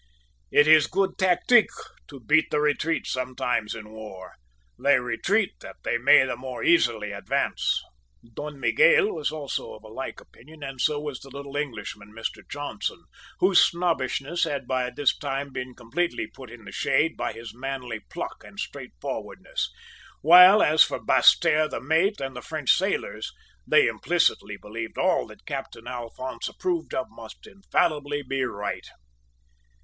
`It is good tactique to beat the retreat sometimes in war. They retreat that they may the more easily advance!' "Don Miguel was also of a like opinion, and so was the little Englishman, Mr Johnson, whose snobbishness had by this time been completely put in the shade by his manly pluck and straightforwardness; while, as for Basseterre, the mate, and the French sailors, they implicitly believed all that Captain Alphonse approved of must infallibly be right!